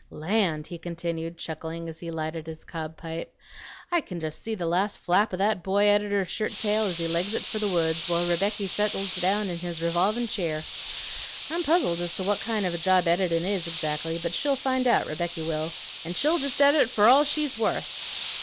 Land!" he continued, chuckling, as he lighted his cob pipe; "I can just see the last flap o' that boy editor's shirt tail as he legs it for the woods, while Rebecky settles down in his revolvin' cheer! I'm puzzled as to what kind of a job editin' is, exactly; but she'll find out, Rebecky will. An' she'll just edit for all she's worth!